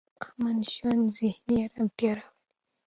امن ژوند ذهني ارامتیا راولي.